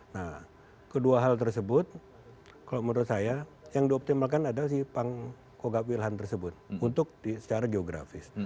nah kedua hal tersebut kalau menurut saya yang dioptimalkan adalah si pang kogab wilhan tersebut untuk secara geografis